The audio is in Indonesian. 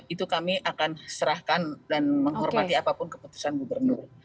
itu kami akan serahkan dan menghormati apapun keputusan gubernur